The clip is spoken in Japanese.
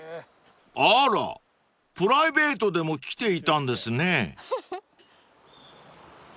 ［あらプライベートでも来ていたんですね］